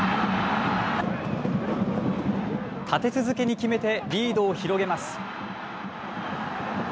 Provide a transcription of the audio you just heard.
立て続けに決めてリードを広げます。